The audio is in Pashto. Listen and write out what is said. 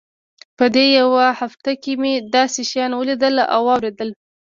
په دې يوه هفته کښې مې داسې شيان وليدل او واورېدل.